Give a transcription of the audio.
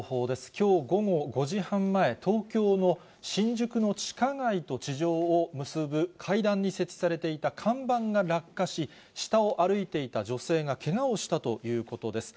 きょう午後５時半前、東京の新宿の地下街と地上を結ぶ階段に設置されていた看板が落下し、下を歩いていた女性がけがをしたということです。